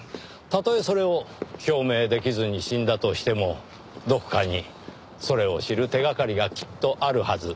たとえそれを表明できずに死んだとしてもどこかにそれを知る手掛かりがきっとあるはず。